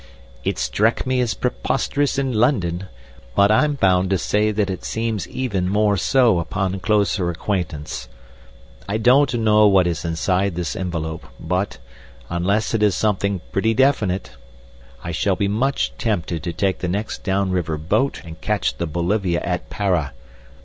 "It struck me as preposterous in London, but I'm bound to say that it seems even more so upon closer acquaintance. I don't know what is inside this envelope, but, unless it is something pretty definite, I shall be much tempted to take the next down river boat and catch the Bolivia at Para.